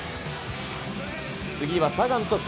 次はサガン鳥栖。